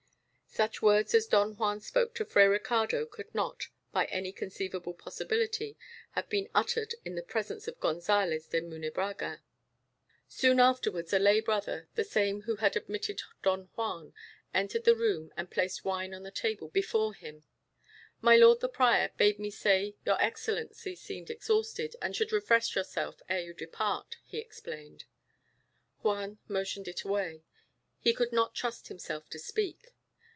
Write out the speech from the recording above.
Such words as Don Juan spoke to Fray Ricardo could not, by any conceivable possibility, have been uttered in the presence of Gonzales de Munebrãga. Soon afterwards a lay brother, the same who had admitted Don Juan, entered the room and placed wine on the table before him. "My lord the prior bade me say your Excellency seemed exhausted, and should refresh yourself ere you depart," he explained. Juan motioned it away. He could not trust himself to speak.